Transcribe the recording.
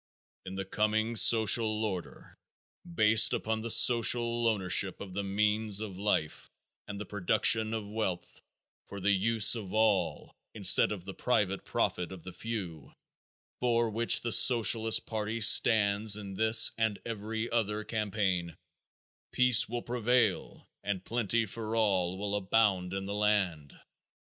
In the coming social order, based upon the social ownership of the means of life and the production of wealth for the use of all instead of the private profit of the few, for which the Socialist party stands in this and every other campaign, peace will prevail and plenty for all will abound in the land.